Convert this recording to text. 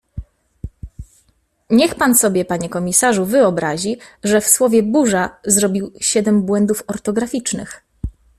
Niech pan sobie panie komisarzu wyobrazi, że w słowie burza zrobił siedem błędów ortograficznych.